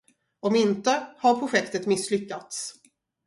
Om inte, har projektet misslyckats.